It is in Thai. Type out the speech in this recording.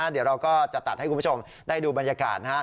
เดี๋ยวเราก็จะตัดให้คุณผู้ชมได้ดูบรรยากาศนะครับ